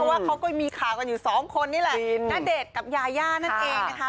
เพราะว่าเขาก็มีขากันอยู่สองคนเนี่ยแหละน่าเดสกับยาย่านั่นเองนะคะ